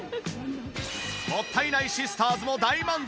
もったいないシスターズも大満足。